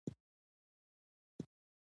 له دغه هیواده باید ژر ووزو، دا ښه نه ده.